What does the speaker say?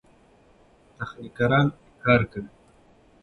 تخنیکران کار کوي.